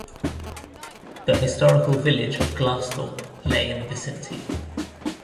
The historical village of Glassthorpe lay in the vicinity.